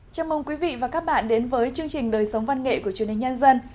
chào mừng quý vị và các bạn đến với chương trình đời sống văn nghệ của truyền hình nhân dân